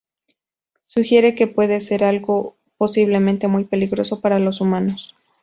Sugiere que puede ser algo o posiblemente muy peligroso para los humanos.